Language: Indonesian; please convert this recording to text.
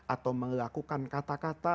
atau melakukan kata kata